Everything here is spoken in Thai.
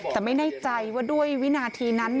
แต่ไม่แน่ใจว่าด้วยวินาทีนั้น